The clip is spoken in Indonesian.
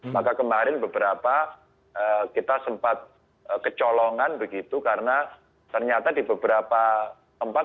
maka kemarin beberapa kita sempat kecolongan begitu karena ternyata di beberapa tempat